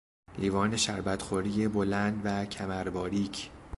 لیوان شربت خوری بلند و کمر باریک